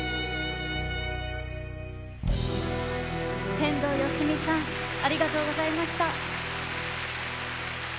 天童よしみさんありがとうございました。